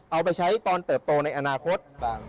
เอาไปใช้ตอนเติบโตในอนาคต